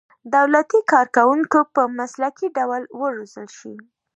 دولتي کارکوونکي په مسلکي ډول وروزل شي.